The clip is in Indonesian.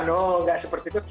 nggak seperti itu